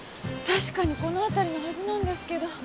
確かにこの辺りのはずなんですけど。